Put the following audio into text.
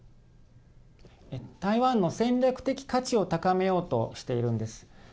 台湾の戦略的価値を高めようとしているんです。